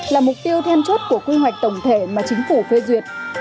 là mục tiêu then chốt của quy hoạch tổng thể mà chính phủ phê duyệt